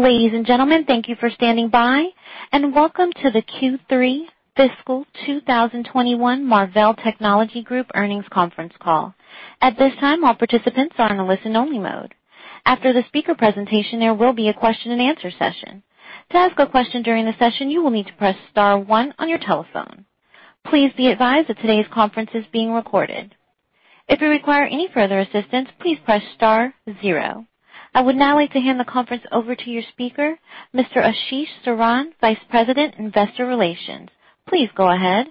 Ladies and gentlemen, thank you for standing by and welcome to the Q3 fiscal 2021 Marvell Technology Group earnings conference call. At this time, all participants are in a listen only mode. After the speaker presentation, there will be a question-and-answer session. To ask a question during the session, you will need to press star one on your telephone. Please be advised that today's conference is being recorded. If you require any further assistance, please press star zero. I would now like to hand the conference over to your speaker, Mr. Ashish Saran, Vice President Investor Relations. Please go ahead.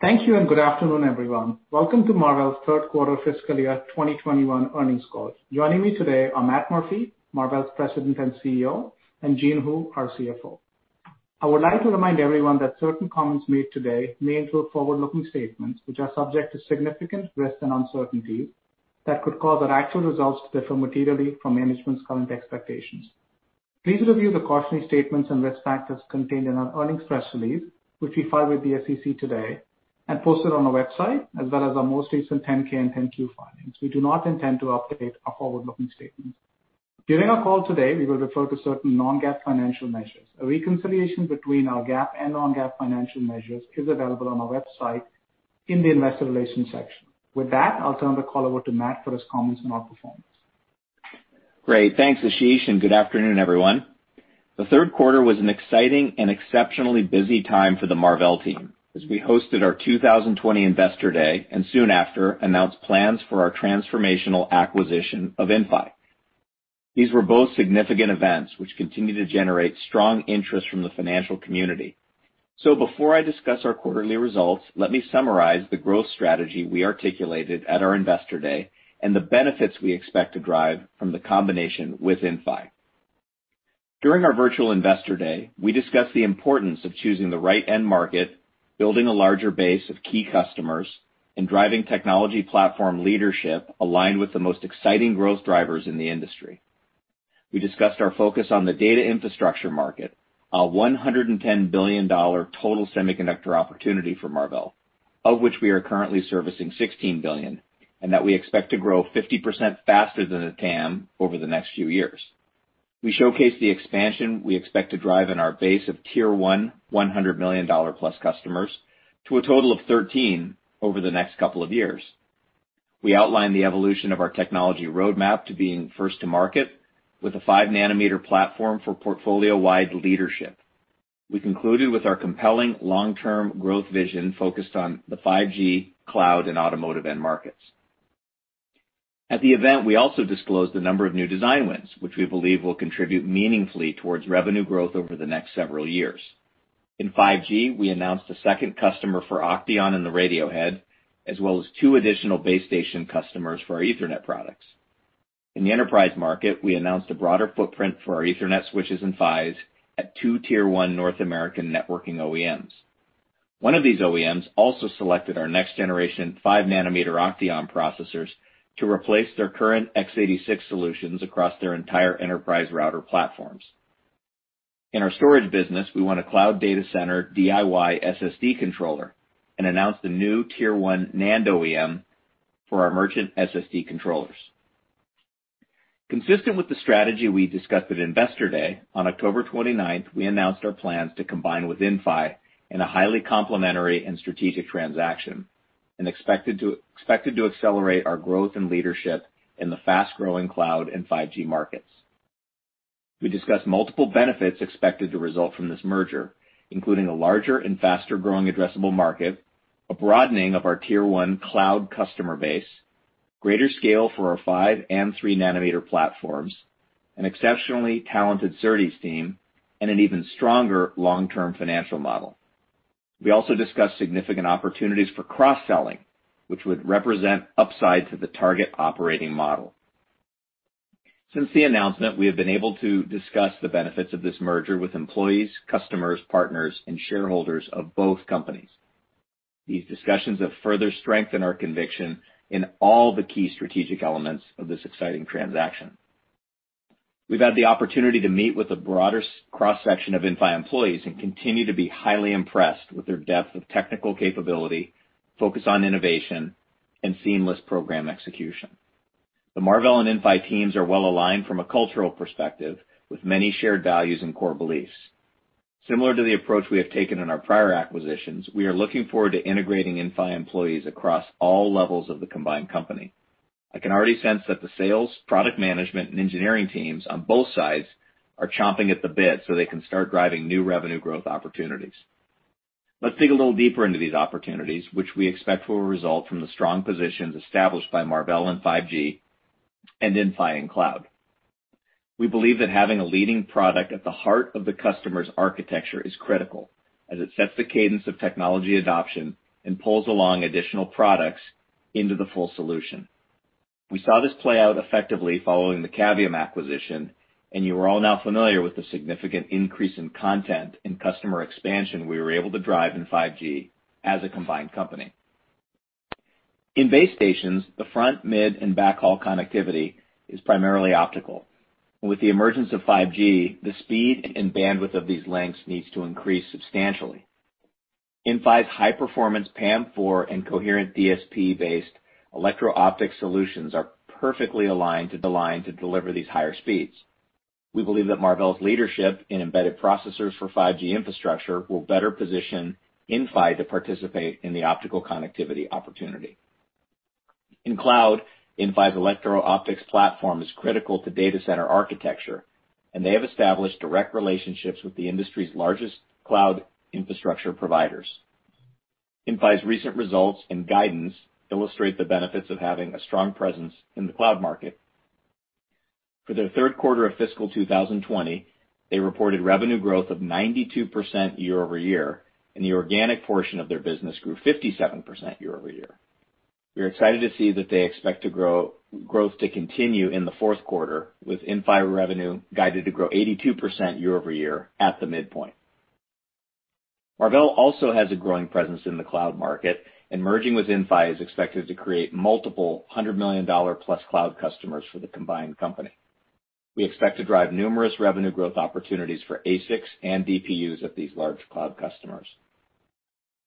Thank you and good afternoon, everyone. Welcome to Marvell's third quarter fiscal year 2021 earnings call. Joining me today are Matt Murphy, Marvell's President and CEO, and Jean Hu, our CFO. I would like to remind everyone that certain comments made today may include forward-looking statements, which are subject to significant risks and uncertainties that could cause our actual results to differ materially from management's current expectations. Please review the cautionary statements and risk factors contained in our earnings press release, which we filed with the SEC today and posted on our website, as well as our most recent 10-K and 10-Q filings. We do not intend to update our forward-looking statements. During our call today, we will refer to certain non-GAAP financial measures. A reconciliation between our GAAP and non-GAAP financial measures is available on our website in the investor relations section. With that, I'll turn the call over to Matt for his comments on our performance. Great. Thanks, Ashish, and good afternoon, everyone. The third quarter was an exciting and exceptionally busy time for the Marvell team, as we hosted our 2020 Investor Day, and soon after, announced plans for our transformational acquisition of Inphi. These were both significant events which continue to generate strong interest from the financial community. Before I discuss our quarterly results, let me summarize the growth strategy we articulated at our Investor Day and the benefits we expect to drive from the combination with Inphi. During our virtual Investor Day, we discussed the importance of choosing the right end market, building a larger base of key customers, and driving technology platform leadership aligned with the most exciting growth drivers in the industry. We discussed our focus on the data infrastructure market, a $110 billion total semiconductor opportunity for Marvell, of which we are currently servicing $16 billion, and that we expect to grow 50% faster than the TAM over the next few years. We showcased the expansion we expect to drive in our base of tier 1 $100 million plus customers to a total of 13 over the next couple of years. We outlined the evolution of our technology roadmap to being first to market with a 5 nm platform for portfolio-wide leadership. We concluded with our compelling long-term growth vision focused on the 5G, cloud, and automotive end markets. At the event, we also disclosed a number of new design wins, which we believe will contribute meaningfully towards revenue growth over the next several years. In 5G, we announced a second customer for OCTEON in the radio head, as well as two additional base station customers for our Ethernet products. In the enterprise market, we announced a broader footprint for our Ethernet switches and PHYs at 2 tier 1 North American networking OEMs. One of these OEMs also selected our next generation 5 nm OCTEON processors to replace their current x86 solutions across their entire enterprise router platforms. In our storage business, we won a cloud data center DIY SSD controller and announced a new tier 1 NAND OEM for our merchant SSD controllers. Consistent with the strategy we discussed at Investor Day, on October 29th, we announced our plans to combine with Inphi in a highly complementary and strategic transaction, expected to accelerate our growth and leadership in the fast-growing cloud and 5G markets. We discussed multiple benefits expected to result from this merger, including a larger and faster-growing addressable market, a broadening of our tier 1 cloud customer base, greater scale for our 5 nm and 3 nm platforms, an exceptionally talented SerDes team, and an even stronger long-term financial model. We also discussed significant opportunities for cross-selling, which would represent upside to the target operating model. Since the announcement, we have been able to discuss the benefits of this merger with employees, customers, partners, and shareholders of both companies. These discussions have further strengthened our conviction in all the key strategic elements of this exciting transaction. We've had the opportunity to meet with a broader cross-section of Inphi employees and continue to be highly impressed with their depth of technical capability, focus on innovation, and seamless program execution. The Marvell and Inphi teams are well-aligned from a cultural perspective, with many shared values and core beliefs. Similar to the approach we have taken in our prior acquisitions, we are looking forward to integrating Inphi employees across all levels of the combined company. I can already sense that the sales, product management, and engineering teams on both sides are chomping at the bit so they can start driving new revenue growth opportunities. Let's dig a little deeper into these opportunities, which we expect will result from the strong positions established by Marvell in 5G and Inphi in cloud. We believe that having a leading product at the heart of the customer's architecture is critical, as it sets the cadence of technology adoption and pulls along additional products into the full solution. We saw this play out effectively following the Cavium acquisition, and you are all now familiar with the significant increase in content and customer expansion we were able to drive in 5G as a combined company. In base stations, the front, mid, and backhaul connectivity is primarily optical. With the emergence of 5G, the speed and bandwidth of these links needs to increase substantially. Inphi's high performance PAM4 and coherent DSP based electro optic solutions are perfectly aligned to deliver these higher speeds. We believe that Marvell's leadership in embedded processors for 5G infrastructure will better position Inphi to participate in the optical connectivity opportunity. In cloud, Inphi's electro optics platform is critical to data center architecture, and they have established direct relationships with the industry's largest cloud infrastructure providers. Inphi's recent results and guidance illustrate the benefits of having a strong presence in the cloud market. For their third quarter of fiscal 2020, they reported revenue growth of 92% year-over-year, and the organic portion of their business grew 57% year-over-year. We are excited to see that they expect growth to continue in the fourth quarter with Inphi revenue guided to grow 82% year-over-year at the midpoint. Marvell also has a growing presence in the cloud market, and merging with Inphi is expected to create multiple $100 million-plus cloud customers for the combined company. We expect to drive numerous revenue growth opportunities for ASICs and DPUs at these large cloud customers.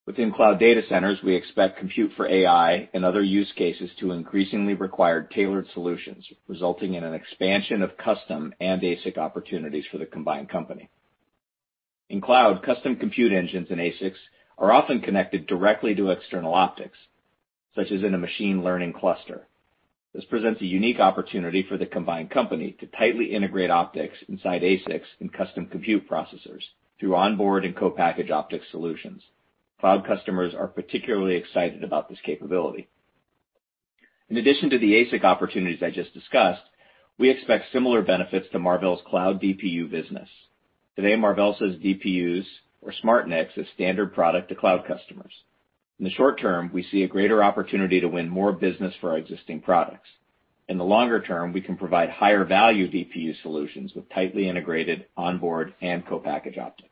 Within cloud data centers, we expect compute for AI and other use cases to increasingly require tailored solutions, resulting in an expansion of custom and ASIC opportunities for the combined company. In cloud, custom compute engines and ASICs are often connected directly to external optics, such as in a machine learning cluster. This presents a unique opportunity for the combined company to tightly integrate optics inside ASICs and custom compute processors through onboard and co-package optic solutions. Cloud customers are particularly excited about this capability. In addition to the ASIC opportunities I just discussed, we expect similar benefits to Marvell's cloud DPU business. Today, Marvell sells DPUs or SmartNICs as standard product to cloud customers. In the short term, we see a greater opportunity to win more business for our existing products. In the longer term, we can provide higher value DPU solutions with tightly integrated onboard and co-package optics.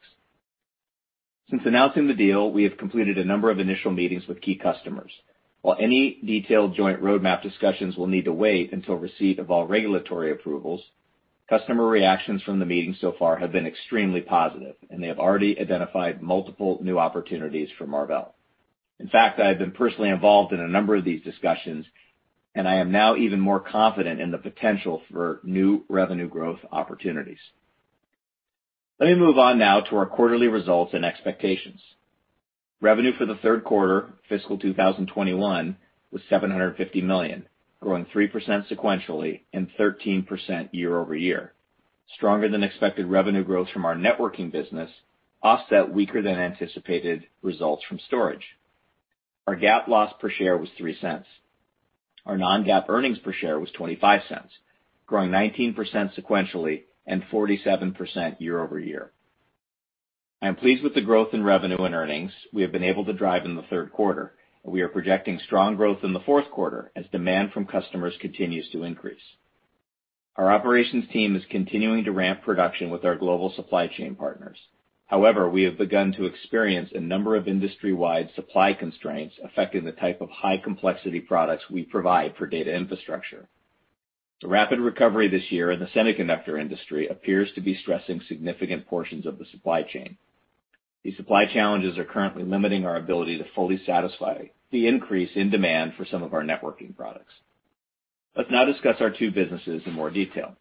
Since announcing the deal, we have completed a number of initial meetings with key customers. While any detailed joint roadmap discussions will need to wait until receipt of all regulatory approvals, customer reactions from the meeting so far have been extremely positive and they have already identified multiple new opportunities for Marvell. In fact, I have been personally involved in a number of these discussions, and I am now even more confident in the potential for new revenue growth opportunities. Let me move on now to our quarterly results and expectations. Revenue for the third quarter fiscal 2021 was $750 million, growing 3% sequentially and 13% year-over-year. Stronger than expected revenue growth from our networking business offset weaker than anticipated results from storage. Our GAAP loss per share was $0.03. Our non-GAAP earnings per share was $0.25, growing 19% sequentially and 47% year-over-year. I am pleased with the growth in revenue and earnings we have been able to drive in the third quarter, and we are projecting strong growth in the fourth quarter as demand from customers continues to increase. Our operations team is continuing to ramp production with our global supply chain partners. However, we have begun to experience a number of industry-wide supply constraints affecting the type of high complexity products we provide for data infrastructure. The rapid recovery this year in the semiconductor industry appears to be stressing significant portions of the supply chain. These supply challenges are currently limiting our ability to fully satisfy the increase in demand for some of our networking products. Let's now discuss our two businesses in more detail.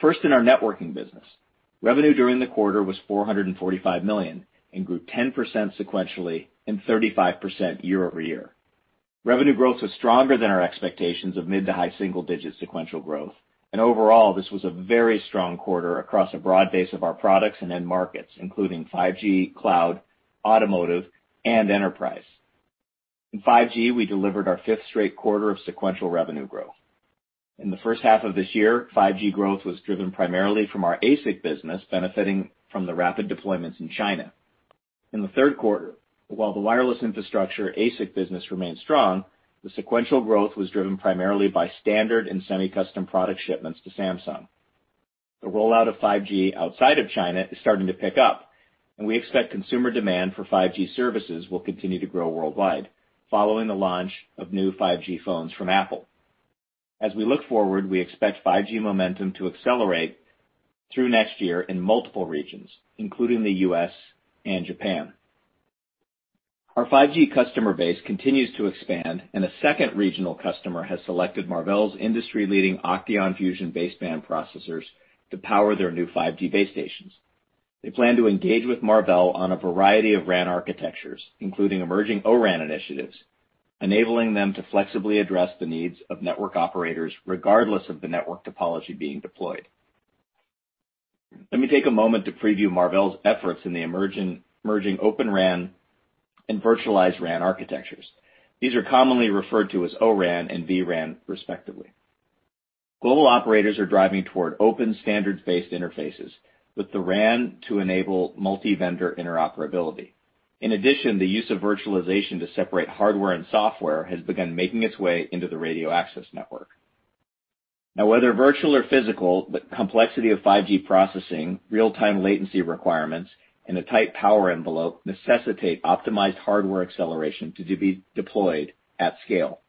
First, in our networking business, revenue during the quarter was $445 million and grew 10% sequentially and 35% year-over-year. Revenue growth was stronger than our expectations of mid to high single-digit sequential growth. Overall, this was a very strong quarter across a broad base of our products and end markets, including 5G, cloud, automotive, and enterprise. In 5G, we delivered our fifth straight quarter of sequential revenue growth. In the first half of this year, 5G growth was driven primarily from our ASIC business, benefiting from the rapid deployments in China. In the third quarter, while the wireless infrastructure ASIC business remained strong, the sequential growth was driven primarily by standard and semi-custom product shipments to Samsung. The rollout of 5G outside of China is starting to pick up, and we expect consumer demand for 5G services will continue to grow worldwide following the launch of new 5G phones from Apple. As we look forward, we expect 5G momentum to accelerate through next year in multiple regions, including the U.S. and Japan. Our 5G customer base continues to expand, and a second regional customer has selected Marvell's industry leading OCTEON Fusion baseband processors to power their new 5G base stations. They plan to engage with Marvell on a variety of RAN architectures, including emerging O-RAN initiatives, enabling them to flexibly address the needs of network operators regardless of the network topology being deployed. Let me take a moment to preview Marvell's efforts in the emerging open RAN and virtualized RAN architectures. These are commonly referred to as O-RAN and vRAN respectively. Global operators are driving toward open standards-based interfaces with the RAN to enable multi-vendor interoperability. In addition, the use of virtualization to separate hardware and software has begun making its way into the radio access network. Whether virtual or physical, the complexity of 5G processing, real-time latency requirements, and a tight power envelope necessitate optimized hardware acceleration to be deployed at scale.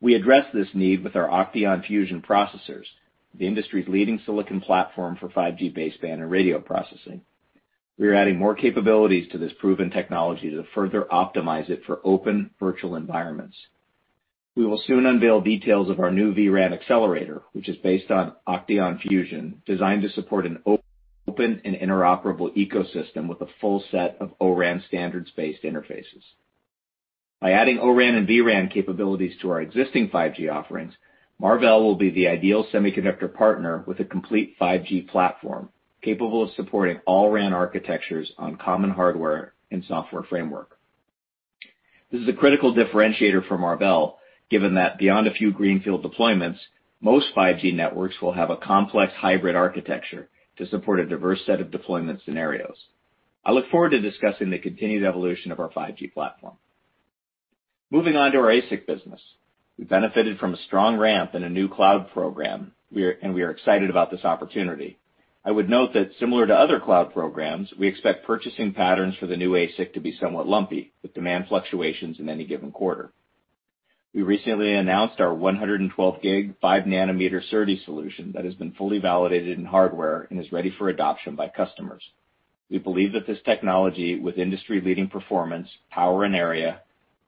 We address this need with our OCTEON Fusion processors, the industry's leading silicon platform for 5G baseband and radio processing. We are adding more capabilities to this proven technology to further optimize it for open virtual environments. We will soon unveil details of our new vRAN accelerator, which is based on OCTEON Fusion, designed to support an open and interoperable ecosystem with a full set of O-RAN standards-based interfaces. By adding O-RAN and vRAN capabilities to our existing 5G offerings, Marvell will be the ideal semiconductor partner with a complete 5G platform, capable of supporting all RAN architectures on common hardware and software framework. This is a critical differentiator for Marvell, given that beyond a few greenfield deployments, most 5G networks will have a complex hybrid architecture to support a diverse set of deployment scenarios. I look forward to discussing the continued evolution of our 5G platform. Moving on to our ASIC business. We benefited from a strong ramp in a new cloud program, and we are excited about this opportunity. I would note that similar to other cloud programs, we expect purchasing patterns for the new ASIC to be somewhat lumpy, with demand fluctuations in any given quarter. We recently announced our 112G 5 nm SerDes solution that has been fully validated in hardware and is ready for adoption by customers. We believe that this technology, with industry-leading performance, power, and area,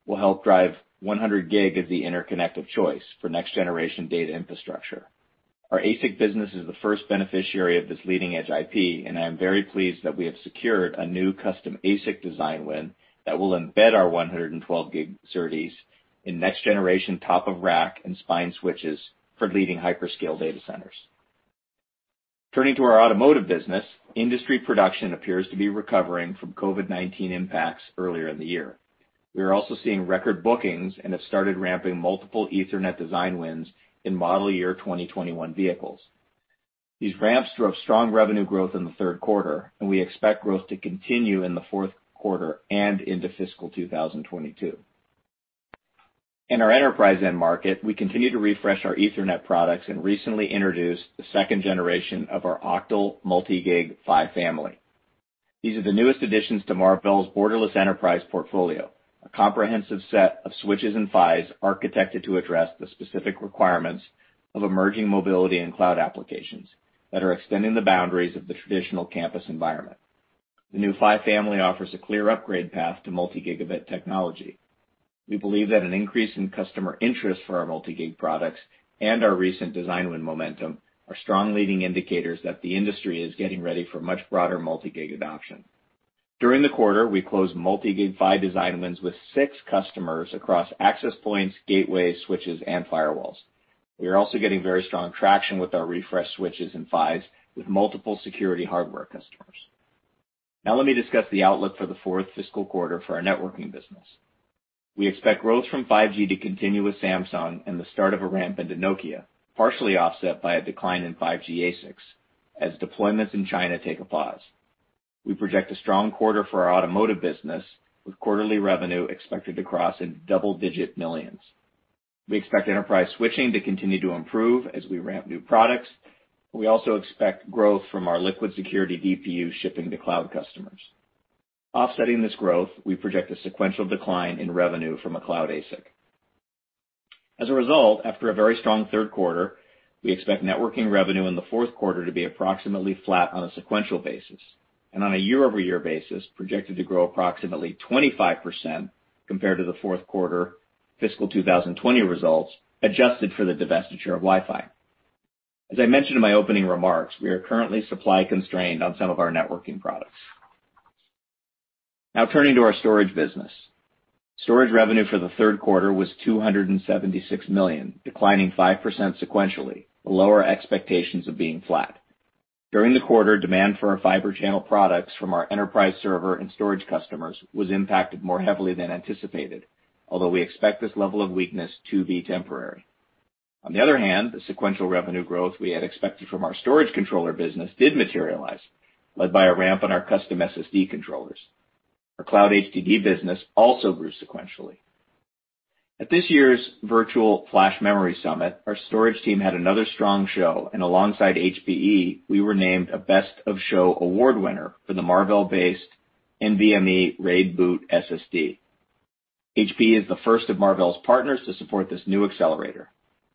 will help drive 100G as the interconnect of choice for next-generation data infrastructure. Our ASIC business is the first beneficiary of this leading-edge IP, and I am very pleased that we have secured a new custom ASIC design win that will embed our 112G SerDes in next-generation top-of-rack and spine switches for leading hyperscale data centers. Turning to our automotive business, industry production appears to be recovering from COVID-19 impacts earlier in the year. We are also seeing record bookings and have started ramping multiple Ethernet design wins in model year 2021 vehicles. These ramps drove strong revenue growth in the third quarter, and we expect growth to continue in the fourth quarter and into fiscal 2022. In our enterprise end market, we continue to refresh our Ethernet products and recently introduced the second generation of our Octal Multi-Gig PHY family. These are the newest additions to Marvell's Borderless Enterprise portfolio, a comprehensive set of switches and PHYs architected to address the specific requirements of emerging mobility and cloud applications that are extending the boundaries of the traditional campus environment. The new PHY family offers a clear upgrade path to multi-gigabit technology. We believe that an increase in customer interest for our multi-gig products and our recent design win momentum are strong leading indicators that the industry is getting ready for much broader multi-gig adoption. During the quarter, we closed multi-gig PHY design wins with six customers across access points, gateways, switches, and firewalls. We are also getting very strong traction with our refresh switches and PHYs with multiple security hardware customers. Let me discuss the outlook for the fourth fiscal quarter for our networking business. We expect growth from 5G to continue with Samsung and the start of a ramp into Nokia, partially offset by a decline in 5G ASICs as deployments in China take a pause. We project a strong quarter for our automotive business, with quarterly revenue expected to cross in double-digit millions. We expect enterprise switching to continue to improve as we ramp new products, and we also expect growth from our LiquidSecurity DPU shipping to cloud customers. Offsetting this growth, we project a sequential decline in revenue from a cloud ASIC. After a very strong third quarter, we expect networking revenue in the fourth quarter to be approximately flat on a sequential basis. On a year-over-year basis, projected to grow approximately 25% compared to the fourth quarter fiscal 2020 results, adjusted for the divestiture of Wi-Fi. As I mentioned in my opening remarks, we are currently supply constrained on some of our networking products. Now turning to our storage business. Storage revenue for the third quarter was $276 million, declining 5% sequentially, below our expectations of being flat. During the quarter, demand for our Fibre Channel products from our enterprise server and storage customers was impacted more heavily than anticipated, although we expect this level of weakness to be temporary. On the other hand, the sequential revenue growth we had expected from our storage controller business did materialize, led by a ramp in our custom SSD controllers. Our cloud HDD business also grew sequentially. At this year's virtual Flash Memory Summit, our storage team had another strong show, and alongside HPE, we were named a Best of Show Award winner for the Marvell-based NVMe RAID boot SSD. HPE is the first of Marvell's partners to support this new accelerator.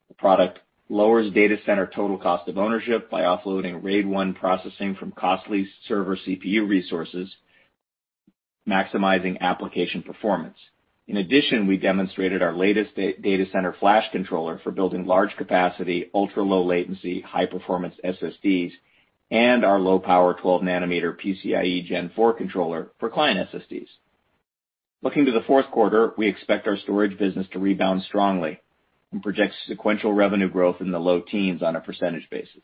The product lowers data center total cost of ownership by offloading RAID 1 processing from costly server CPU resources, maximizing application performance. In addition, we demonstrated our latest data center flash controller for building large capacity, ultra-low latency, high performance SSDs, and our low-power 12 nm PCIe Gen 4 controller for client SSDs. Looking to the fourth quarter, we expect our storage business to rebound strongly and project sequential revenue growth in the low teens on a percentage basis.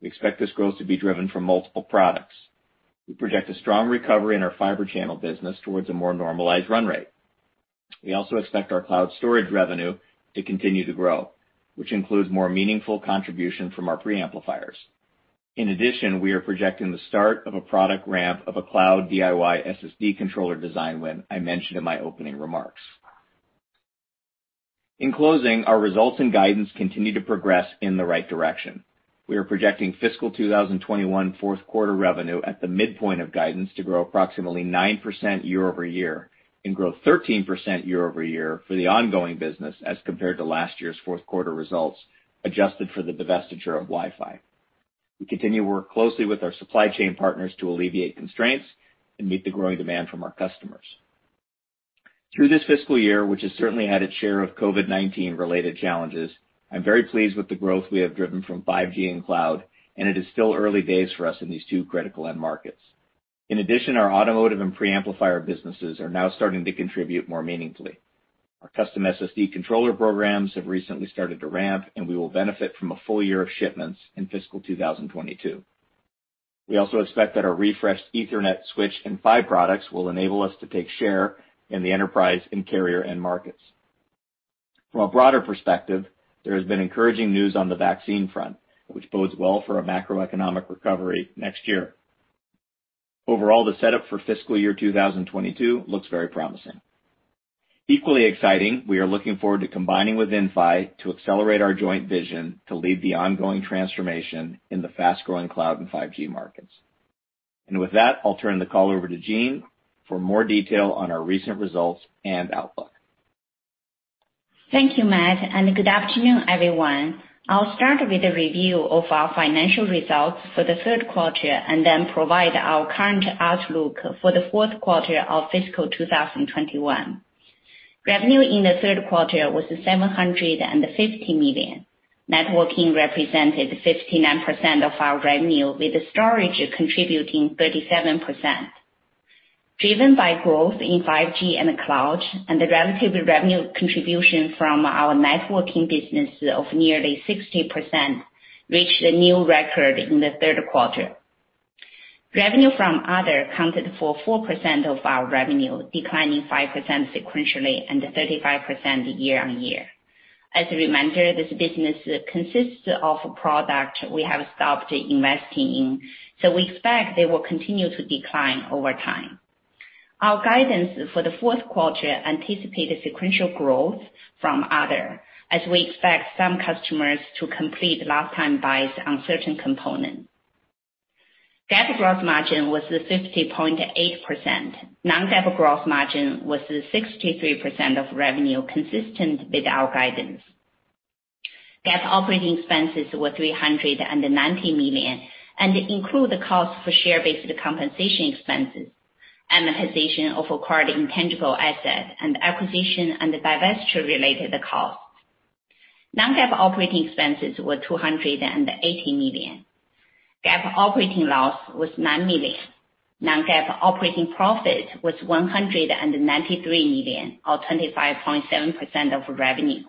We expect this growth to be driven from multiple products. We project a strong recovery in our Fibre Channel business towards a more normalized run rate. We also expect our cloud storage revenue to continue to grow, which includes more meaningful contribution from our preamplifiers. In addition, we are projecting the start of a product ramp of a cloud DIY SSD controller design win I mentioned in my opening remarks. In closing, our results and guidance continue to progress in the right direction. We are projecting fiscal 2021 fourth quarter revenue at the midpoint of guidance to grow approximately 9% year-over-year and grow 13% year-over-year for the ongoing business as compared to last year's fourth quarter results, adjusted for the divestiture of Wi-Fi. We continue to work closely with our supply chain partners to alleviate constraints and meet the growing demand from our customers. Through this fiscal year, which has certainly had its share of COVID-19 related challenges, I'm very pleased with the growth we have driven from 5G and cloud, and it is still early days for us in these two critical end markets. In addition, our automotive and preamplifier businesses are now starting to contribute more meaningfully. Our custom SSD controller programs have recently started to ramp, and we will benefit from a full year of shipments in fiscal 2022. We also expect that our refreshed Ethernet switch and PHY products will enable us to take share in the enterprise and carrier end markets. From a broader perspective, there has been encouraging news on the vaccine front, which bodes well for a macroeconomic recovery next year. Overall, the setup for fiscal year 2022 looks very promising. Equally exciting, we are looking forward to combining with Inphi to accelerate our joint vision to lead the ongoing transformation in the fast-growing cloud and 5G markets. With that, I'll turn the call over to Jean for more detail on our recent results and outlook. Thank you, Matt, and good afternoon, everyone. I'll start with a review of our financial results for the third quarter and then provide our current outlook for the fourth quarter of fiscal 2021. Revenue in the third quarter was $750 million. Networking represented 59% of our revenue, with storage contributing 37%. Driven by growth in 5G and the cloud, and the relative revenue contribution from our networking business of nearly 60%, reached a new record in the third quarter. Revenue from other accounted for 4% of our revenue, declining 5% sequentially and 35% year-on-year. As a reminder, this business consists of products we have stopped investing in, so we expect they will continue to decline over time. Our guidance for the fourth quarter anticipates a sequential growth from other, as we expect some customers to complete last-time buys on certain components. GAAP gross margin was 50.8%. Non-GAAP gross margin was 63% of revenue, consistent with our guidance. GAAP operating expenses were $390 million and include the cost for share-based compensation expenses, amortization of acquired intangible assets, and acquisition and divestiture-related costs. Non-GAAP operating expenses were $280 million. GAAP operating loss was $9 million. Non-GAAP operating profit was $193 million, or 25.7% of revenue.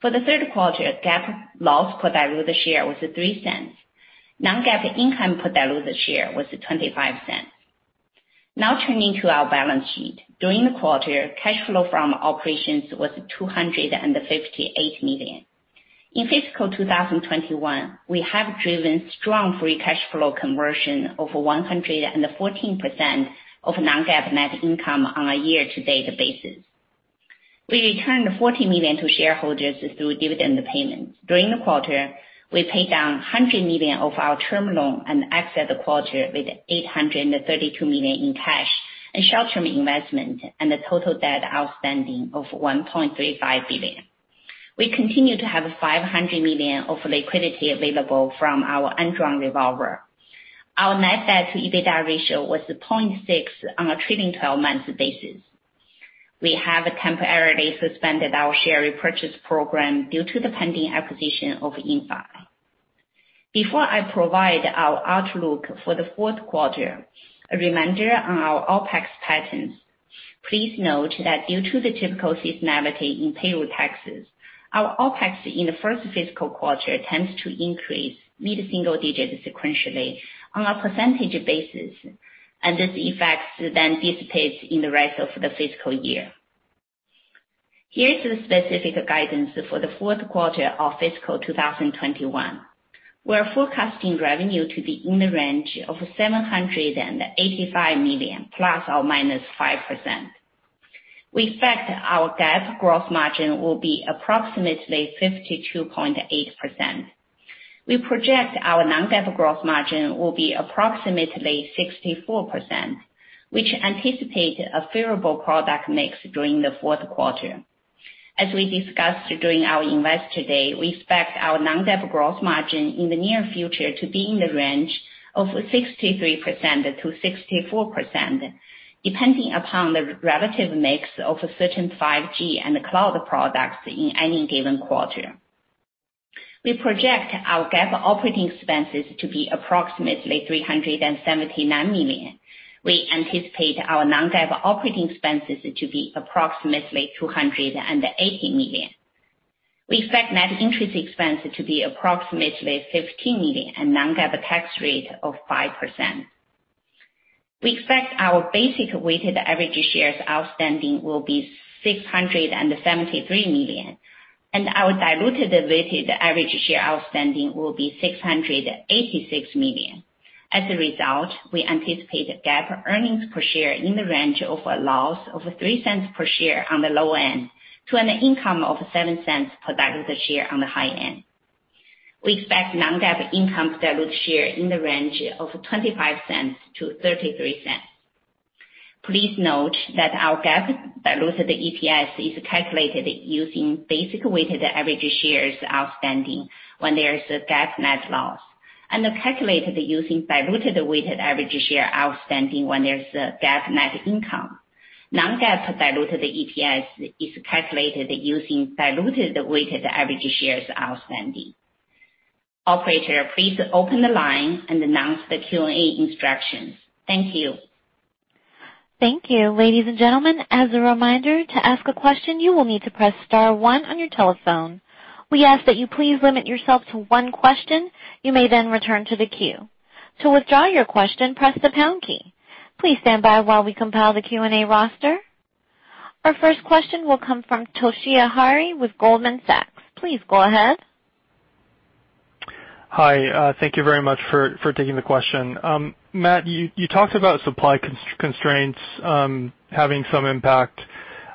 For the third quarter, GAAP loss per diluted share was $0.03. Non-GAAP income per diluted share was $0.25. Now turning to our balance sheet. During the quarter, cash flow from operations was $258 million. In fiscal 2021, we have driven strong free cash flow conversion of 114% of non-GAAP net income on a year-to-date basis. We returned $40 million to shareholders through dividend payments. During the quarter, we paid down $100 million of our term loan and exit the quarter with $832 million in cash and short-term investment and a total debt outstanding of $1.35 billion. We continue to have $500 million of liquidity available from our undrawn revolver. Our net debt to EBITDA ratio was 0.6 on a trailing 12 months basis. We have temporarily suspended our share repurchase program due to the pending acquisition of Inphi. Before I provide our outlook for the fourth quarter, a reminder on our OpEx patterns. Please note that due to the typical seasonality in payroll taxes, our OpEx in the first fiscal quarter tends to increase mid-single digits sequentially on a percentage basis, and this effect then dissipates in the rest of the fiscal year. Here is the specific guidance for the fourth quarter of fiscal 2021. We're forecasting revenue to be in the range of $785 million, ±5%. We expect our GAAP gross margin will be approximately 52.8%. We project our non-GAAP gross margin will be approximately 64%, which anticipate a favorable product mix during the fourth quarter. As we discussed during our Investor Day, we expect our non-GAAP gross margin in the near future to be in the range of 63%-64%, depending upon the relative mix of certain 5G and cloud products in any given quarter. We project our GAAP operating expenses to be approximately $379 million. We anticipate our non-GAAP operating expenses to be approximately $280 million. We expect net interest expense to be approximately $15 million and non-GAAP tax rate of 5%. We expect our basic weighted average shares outstanding will be 673 million, and our diluted weighted average share outstanding will be 686 million. We anticipate GAAP earnings per share in the range of a loss of $0.03 per share on the low end to an income of $0.07 per diluted share on the high end. We expect non-GAAP income per diluted share in the range of $0.25-$0.33. Please note that our GAAP diluted EPS is calculated using basic weighted average shares outstanding when there is a GAAP net loss, and calculated using diluted weighted average share outstanding when there's a GAAP net income. Non-GAAP diluted EPS is calculated using diluted weighted average shares outstanding. Operator, please open the line and announce the Q&A instructions. Thank you. Thank you. Ladies and gentlemen, as a reminder, to ask a question, you will need to press star one on your telephone. We ask that you please limit yourself to one question. You may then return to the queue. To withdraw your question, press the pound key. Please stand by while we compile the Q&A roster. Our first question will come from Toshiya Hari with Goldman Sachs. Please go ahead. Hi. Thank you very much for taking the question. Matt, you talked about supply constraints having some impact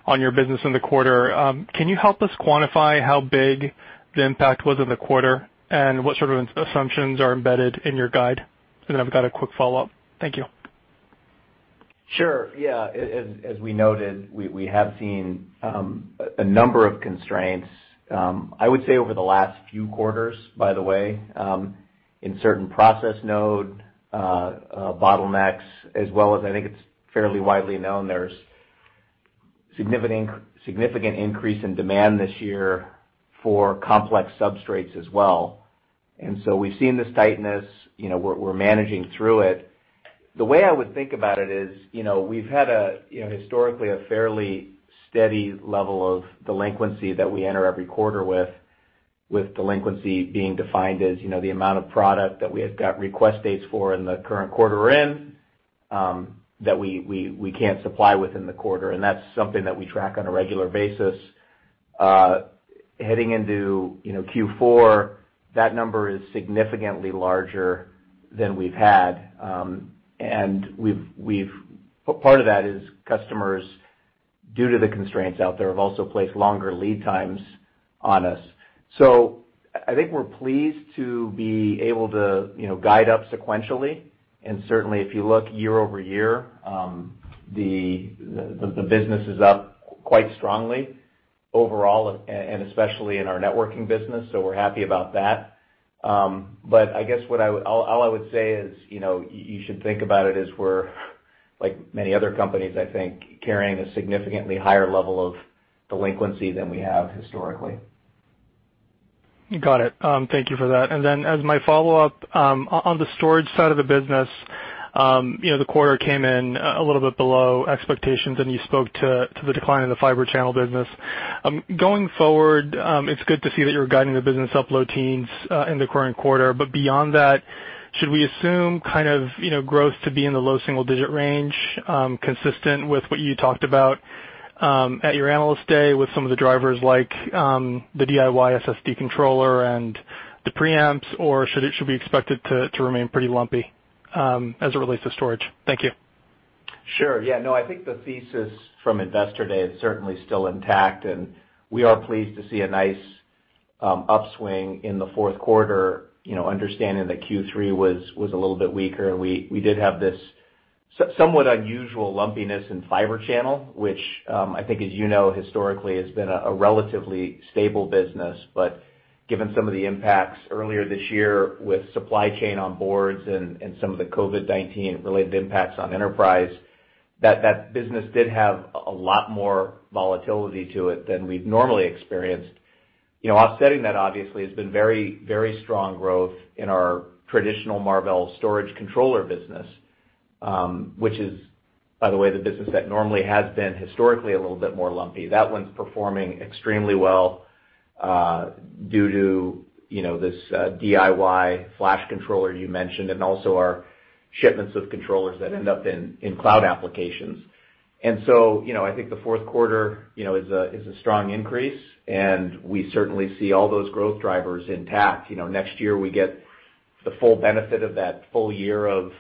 on your business in the quarter. Can you help us quantify how big the impact was in the quarter, and what sort of assumptions are embedded in your guide? I've got a quick follow-up. Thank you. Sure. Yeah. As we noted, we have seen a number of constraints, I would say over the last few quarters, by the way, in certain process node bottlenecks, as well as, I think it's fairly widely known, there's significant increase in demand this year for complex substrates as well. We've seen this tightness, we're managing through it. The way I would think about it is, we've had historically a fairly steady level of delinquency that we enter every quarter with, delinquency being defined as the amount of product that we have got request dates for in the current quarter we're in, that we can't supply within the quarter. That's something that we track on a regular basis. Heading into Q4, that number is significantly larger than we've had. Part of that is customers, due to the constraints out there, have also placed longer lead times on us. I think we're pleased to be able to guide up sequentially, and certainly if you look year-over-year, the business is up quite strongly overall, and especially in our networking business. We're happy about that. I guess all I would say is, you should think about it as we're, like many other companies, I think, carrying a significantly higher level of delinquency than we have historically. Got it. Thank you for that. As my follow-up, on the storage side of the business, the quarter came in a little bit below expectations, and you spoke to the decline in the Fibre Channel business. Going forward, it's good to see that you're guiding the business up low teens in the current quarter. Beyond that, should we assume growth to be in the low single-digit range, consistent with what you talked about at your Analyst Day with some of the drivers like the DIY SSD controller and the preamps, or should we expect it to remain pretty lumpy as it relates to storage? Thank you. Sure. Yeah, no, I think the thesis from Investor Day is certainly still intact, and we are pleased to see a nice upswing in the fourth quarter, understanding that Q3 was a little bit weaker, and we did have this somewhat unusual lumpiness in Fibre Channel, which I think as you know, historically, has been a relatively stable business. Given some of the impacts earlier this year with supply chain on boards and some of the COVID-19 related impacts on enterprise, that business did have a lot more volatility to it than we've normally experienced. Offsetting that, obviously, has been very strong growth in our traditional Marvell storage controller business, which is, by the way, the business that normally has been historically a little bit more lumpy. That one's performing extremely well due to this DIY SSD controller you mentioned, and also our shipments of controllers that end up in cloud applications. I think the fourth quarter is a strong increase, and we certainly see all those growth drivers intact. Next year, we get the full benefit of that full year of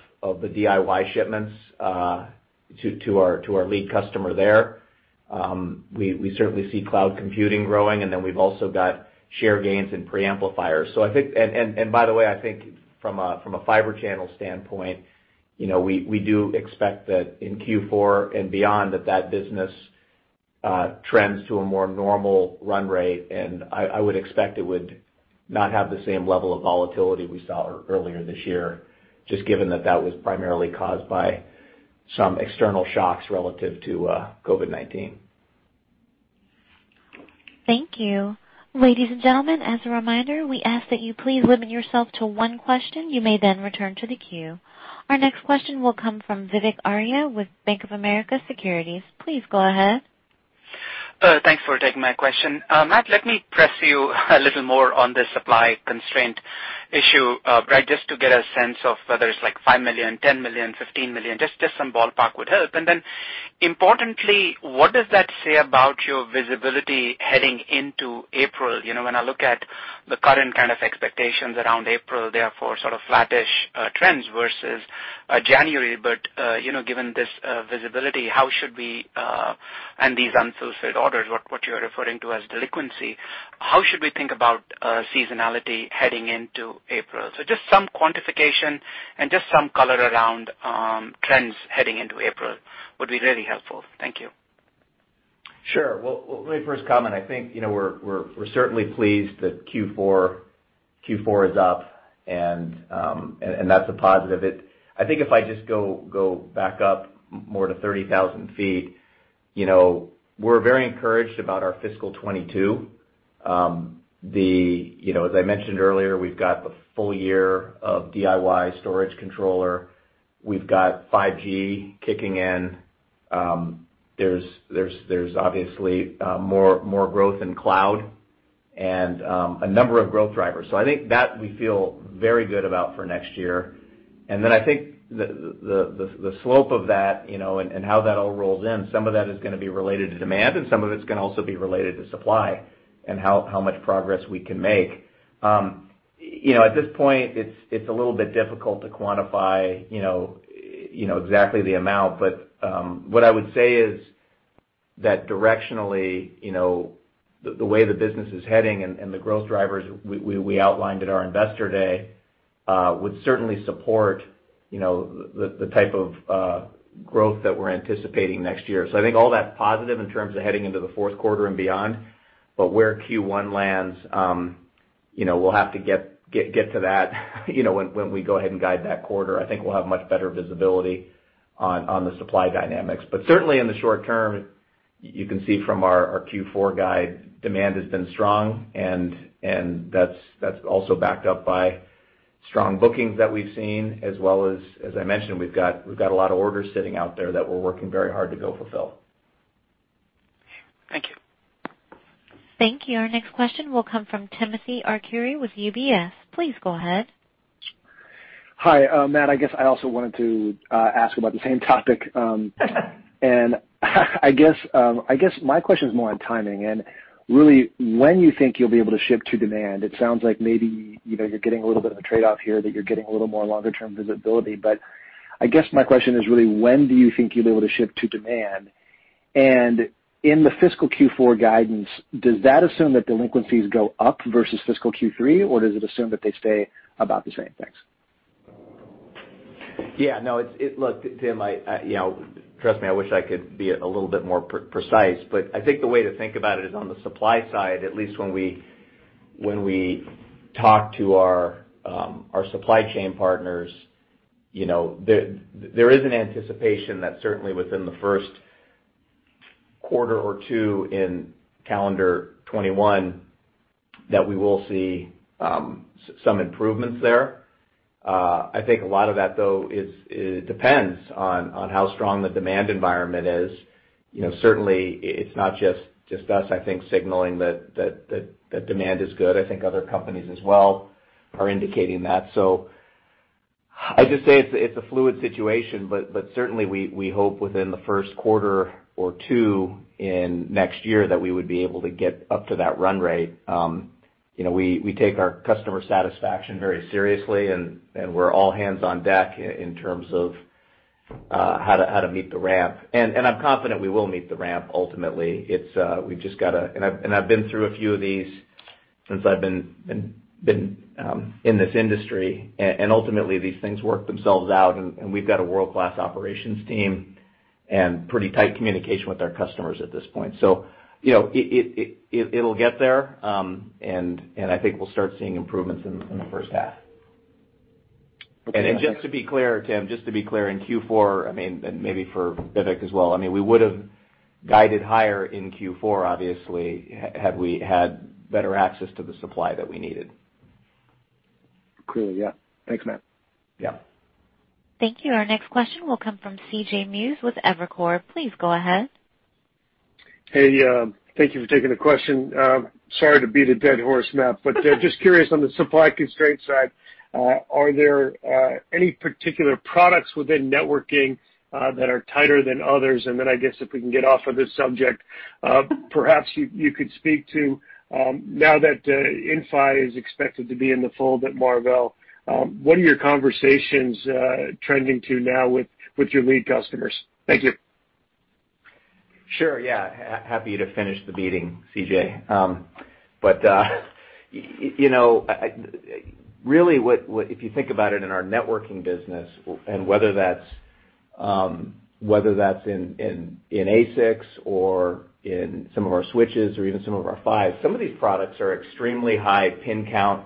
the DIY shipments to our lead customer there. We certainly see cloud computing growing, and then we've also got share gains in preamplifiers. By the way, I think from a Fibre Channel standpoint, we do expect that in Q4 and beyond, that business trends to a more normal run rate, and I would expect it would not have the same level of volatility we saw earlier this year, just given that that was primarily caused by some external shocks relative to COVID-19. Thank you. Ladies and gentlemen, as a reminder, we ask that you please limit yourself to one question. You may then return to the queue. Our next question will come from Vivek Arya with Bank of America Securities. Please go ahead. Thanks for taking my question. Matt, let me press you a little more on the supply constraint issue, just to get a sense of whether it's $5 million, $10 million, $15 million. Just some ballpark would help. Importantly, what does that say about your visibility heading into April? When I look at the current kind of expectations around April, therefore sort of flattish trends versus January. Given this visibility and these unfilled orders, what you're referring to as delinquency, how should we think about seasonality heading into April? Just some quantification and just some color around trends heading into April would be really helpful. Thank you. Sure. Let me first comment. I think, we're certainly pleased that Q4 is up and that's a positive. I think if I just go back up more to 30,000 feet, we're very encouraged about our fiscal 2022. As I mentioned earlier, we've got the full year of DIY SSD controller. We've got 5G kicking in. There's obviously more growth in cloud and a number of growth drivers. I think that, we feel very good about for next year. Then I think the slope of that and how that all rolls in, some of that is going to be related to demand and some of it's going to also be related to supply and how much progress we can make. At this point, it's a little bit difficult to quantify exactly the amount. What I would say is that directionally, the way the business is heading and the growth drivers we outlined at our investor day, would certainly support the type of growth that we're anticipating next year. I think all that's positive in terms of heading into the fourth quarter and beyond. Where Q1 lands, we'll have to get to that when we go ahead and guide that quarter. I think we'll have much better visibility on the supply dynamics. Certainly in the short term, you can see from our Q4 guide, demand has been strong, and that's also backed up by strong bookings that we've seen, as well as I mentioned, we've got a lot of orders sitting out there that we're working very hard to go fulfill. Thank you. Thank you. Our next question will come from Timothy Arcuri with UBS. Please go ahead. Hi. Matt, I guess I also wanted to ask about the same topic. I guess my question is more on timing and really when you think you'll be able to ship to demand. It sounds like maybe you're getting a little bit of a trade-off here, that you're getting a little more longer term visibility. I guess my question is really when do you think you'll be able to ship to demand? In the fiscal Q4 guidance, does that assume that delinquencies go up versus fiscal Q3, or does it assume that they stay about the same? Thanks. Yeah. No. Look, Tim, trust me, I wish I could be a little bit more precise, but I think the way to think about it is on the supply side, at least when we talk to our supply chain partners, there is an anticipation that certainly within the first quarter or two in calendar 2021, that we will see some improvements there. I think a lot of that, though, depends on how strong the demand environment is. Certainly, it's not just us, I think, signaling that demand is good. I think other companies as well are indicating that. I'd just say it's a fluid situation, but certainly we hope within the first quarter or two in next year that we would be able to get up to that run rate. We take our customer satisfaction very seriously, we're all hands on deck in terms of how to meet the ramp. I'm confident we will meet the ramp ultimately. I've been through a few of these since I've been in this industry, ultimately these things work themselves out, we've got a world-class operations team and pretty tight communication with our customers at this point. It'll get there, I think we'll start seeing improvements in the first half. Okay. Just to be clear, Tim, in Q4, and maybe for Vivek as well, we would've guided higher in Q4, obviously, had we had better access to the supply that we needed. Clear. Yeah. Thanks, Matt. Yeah. Thank you. Our next question will come from C.J. Muse with Evercore. Please go ahead. Hey, thank you for taking the question. Sorry to beat a dead horse, Matt, but just curious on the supply constraint side, are there any particular products within networking that are tighter than others? Then I guess if we can get off of this subject, perhaps you could speak to, now that Inphi is expected to be in the fold at Marvell, what are your conversations trending to now with your lead customers? Thank you. Sure. Yeah. Happy to finish the beating, C.J. Really, if you think about it, in our networking business, and whether that's in ASICs or in some of our switches or even some of our PHYs, some of these products are extremely high pin count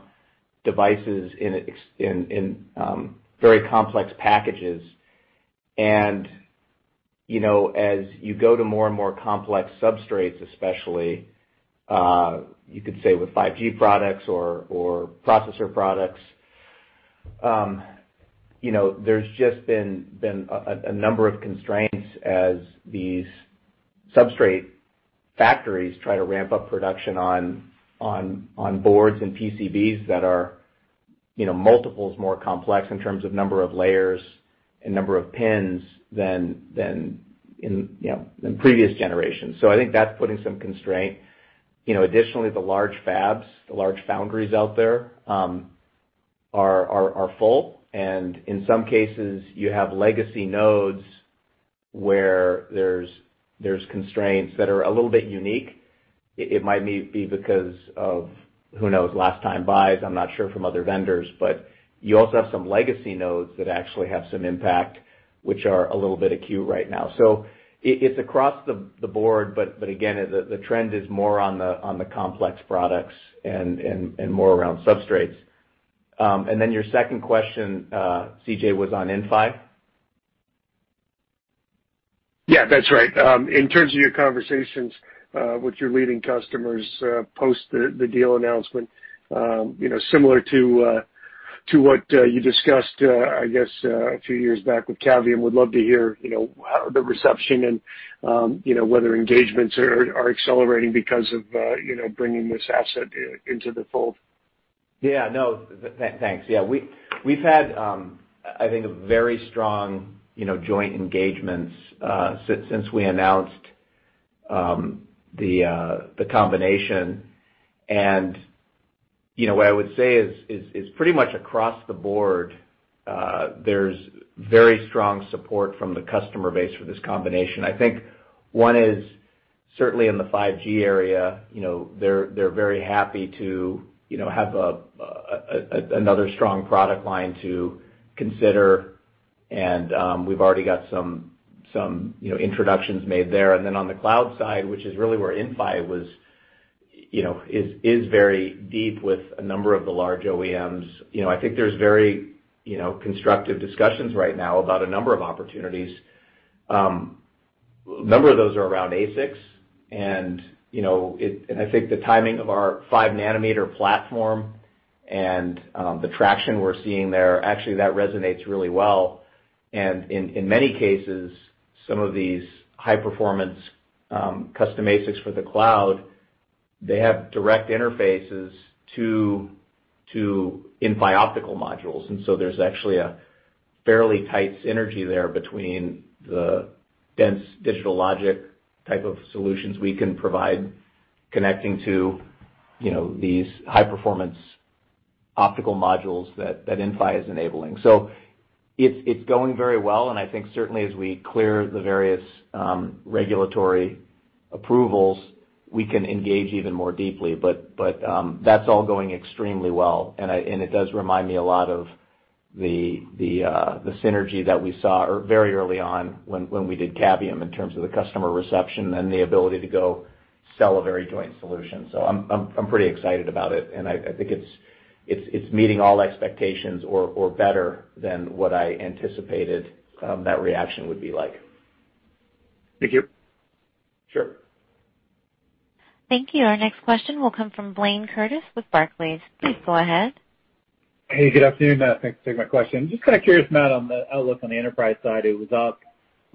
devices in very complex packages. As you go to more and more complex substrates especially, you could say with 5G products or processor products, there's just been a number of constraints as these substrate factories try to ramp up production on boards and PCBs that are multiples more complex in terms of number of layers and number of pins than in previous generations. I think that's putting some constraint. Additionally, the large fabs, the large foundries out there, are full. In some cases you have legacy nodes where there's constraints that are a little bit unique. It might be because of, who knows, last time buys, I'm not sure, from other vendors. You also have some legacy nodes that actually have some impact, which are a little bit acute right now. It's across the board, but again, the trend is more on the complex products and more around substrates. Your second question, C.J., was on Inphi? Yeah, that's right. In terms of your conversations with your leading customers post the deal announcement, similar to what you discussed, I guess, a few years back with Cavium, would love to hear the reception and whether engagements are accelerating because of bringing this asset into the fold. No, thanks. We've had, I think, very strong joint engagements since we announced the combination. What I would say is pretty much across the board, there's very strong support from the customer base for this combination. I think one is certainly in the 5G area. They're very happy to have another strong product line to consider, and we've already got some introductions made there. On the cloud side, which is really where Inphi is very deep with a number of the large OEMs. I think there's very constructive discussions right now about a number of opportunities. A number of those are around ASICs, and I think the timing of our 5-nm platform and the traction we're seeing there, actually, that resonates really well. In many cases, some of these high-performance custom ASICs for the cloud, they have direct interfaces to Inphi optical modules. There's actually a fairly tight synergy there between the dense digital logic type of solutions we can provide connecting to these high-performance optical modules that Inphi is enabling. It's going very well, and I think certainly as we clear the various regulatory approvals, we can engage even more deeply. That's all going extremely well, and it does remind me a lot of the synergy that we saw very early on when we did Cavium in terms of the customer reception and the ability to go sell a very joint solution. I'm pretty excited about it, and I think it's meeting all expectations or better than what I anticipated that reaction would be like. Thank you. Sure. Thank you. Our next question will come from Blayne Curtis with Barclays. Please go ahead. Hey, good afternoon. Thanks for taking my question. Just kind of curious, Matt, on the outlook on the enterprise side. It was up.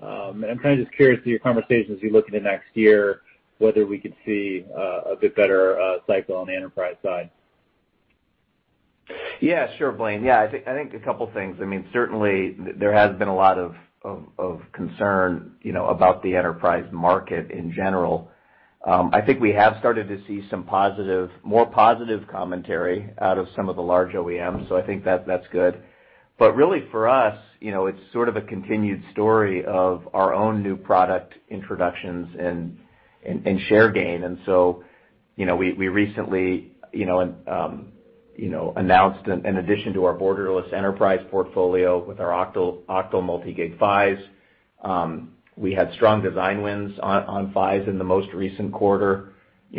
I'm kind of just curious of your conversations as you look into next year, whether we could see a bit better cycle on the enterprise side. Yeah, sure, Blayne. I think a couple things. Certainly, there has been a lot of concern about the enterprise market in general. I think we have started to see some more positive commentary out of some of the large OEMs. I think that's good. Really for us, it's sort of a continued story of our own new product introductions and share gain. We recently announced an addition to our Borderless Enterprise portfolio with our Octal Multi-Gig PHY. We had strong design wins on 5G in the most recent quarter.